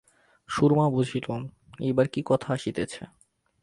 সুরমা বুঝিল, এইবার কি কথা আসিতেছে।